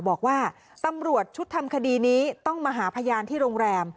บอกว่าตำรวจชุดทำคดีนี้ต้องมาหาพยานที่โรงแรม